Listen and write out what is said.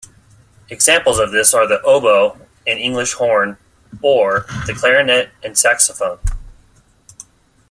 Examples of this are the oboe and English horn or the clarinet and saxophone.